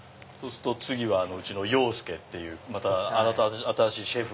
次はうちの庸介っていうまた新しいシェフが。